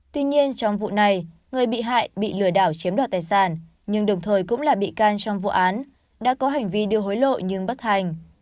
tuy nhiên trong vụ này người bị hại bị lừa đảo chiếm đoạt tài sản nhưng đồng thời cũng là bị can trong vụ án đã có hành vi đưa hối lộ nhưng bất hành